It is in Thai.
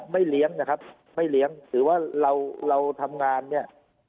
ไม่เลี้ยงนะครับสือว่าเราเราทำงานเนี่ย